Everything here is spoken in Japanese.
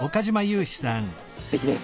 すてきです。